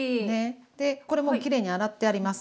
でこれもうきれいに洗ってあります。